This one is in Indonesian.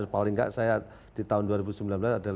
paling tidak saya di tahun dua ribu sembilan belas adalah